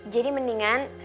jadi mendingan gue